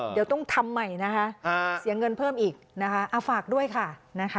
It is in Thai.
เดี๋ยวต้องทำใหม่นะคะเสียเงินเพิ่มอีกนะคะเอาฝากด้วยค่ะนะคะ